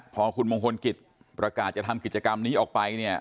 พอคุณมงคลกิจประกาศจะทำกิจกรรมนี้ออกไปเนี่ย